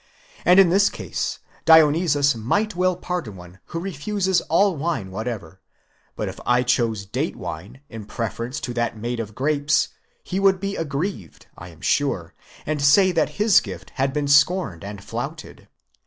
And in this case Dionysus might well pardon one who refuses all wine whatever, but if I chose date wine in preference to that made of grapes, he would be aggrieved, I am sure, and say that his. gift had been scorned and flouted.